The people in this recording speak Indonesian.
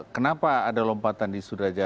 kenapa ada lompatan di sudraja